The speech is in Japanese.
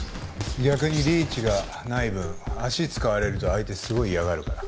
逆にリーチがない分足使われると相手すごい嫌がるから。